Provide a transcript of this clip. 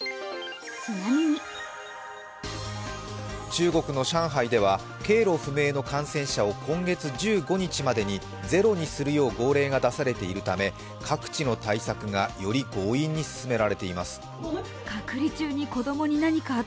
中国の上海では経路不明の感染者を今月１５日までにゼロにするよう号令が出されているため各地の対策がより強引に進められています。